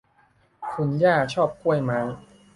คุณย่าชอบกล้วยไม้